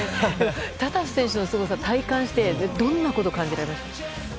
タタフ選手のすごさを体感してどんなことを感じられました？